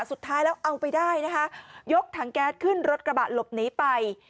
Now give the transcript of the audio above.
สุดท้ายแล้วเอาไปได้นะคะยกถังแก๊สขึ้นรถกระบะหลบหนีไป